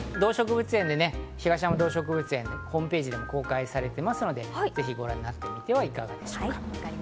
東山動植物園ホームページでも公開されていますので、ぜひご覧になってみてはいかがでしょうか。